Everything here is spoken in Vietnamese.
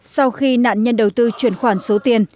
sau khi nạn nhân đầu tư chuyển khoản số tiền